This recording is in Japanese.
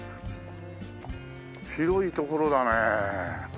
広い所だねえ